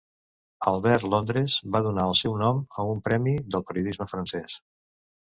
Albert Londres va donar el seu nom a un premi del periodisme francès.